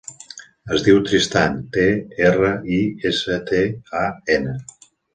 Es diu Tristan: te, erra, i, essa, te, a, ena.